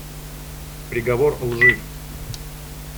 Приговор лжив.